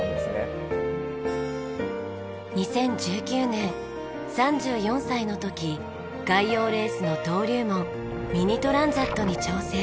２０１９年３４歳の時外洋レースの登竜門ミニ・トランザットに挑戦。